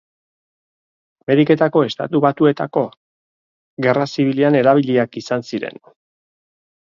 Ameriketako Estatu Batuetako Gerra Zibilean erabiliak izan ziren.